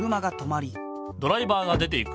ドライバーが出ていく。